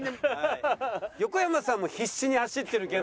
横山さんも必死に走ってるけど。